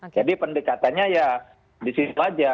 jadi pendekatannya ya disitu aja